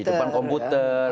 di depan komputer